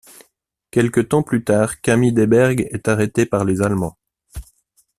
Quelque temps plus tard, Camille Deberghe est arrêté par les Allemands.